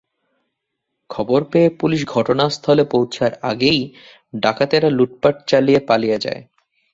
খবর পেয়ে পুলিশ ঘটনাস্থলে পৌঁছার আগেই ডাকাতেরা লুটপাট চালিয়ে পালিয়ে যায়।